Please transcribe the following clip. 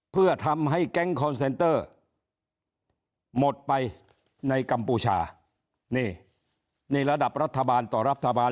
เพื่อทำให้แก๊งคอนเซนเตอร์หมดไปในกัมพูชานี่นี่ระดับรัฐบาลต่อรัฐบาล